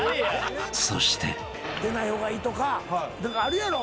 ［そして］出ない方がいいとか何かあるやろ。